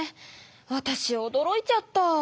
わたしおどろいちゃった。